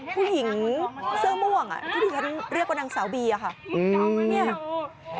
ผู้หญิงเสื้อม่วงอ่ะที่ที่ฉันเรียกว่านางสาวบีอะค่ะ